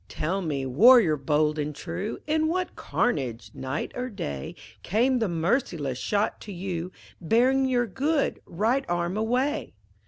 "Tell me, warrior bold and true, In what carnage, night or day, Came the merciless shot to you, Bearing your good, right arm away?"